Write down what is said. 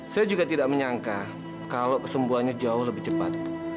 saya juga tidak menyangka kalau kesembuhannya jauh lebih cepat